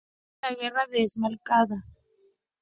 No participó en la Guerra de Esmalcalda.